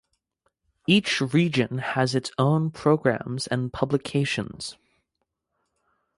Each region has its own programmes and publications.